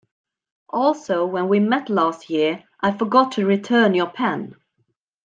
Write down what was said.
Also when we met last year, I forgot to return your pen.